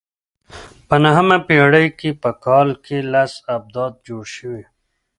په نهمه پېړۍ کې په کال کې لس ابدات جوړ شوي.